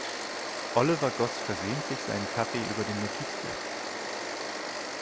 Oliver goss versehentlich seinen Kaffee über den Notizblock.